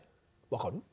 分かる？